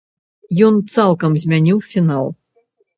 Ён цалкам змяніў фінал.